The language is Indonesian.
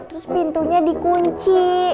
terus pintunya dikunci